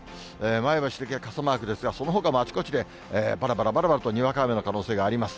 前橋だけは傘マークですが、そのほかもあちこちでぱらぱらぱらぱらとにわか雨の可能性があります。